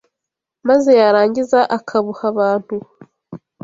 maze yarangiza akabuha abantu.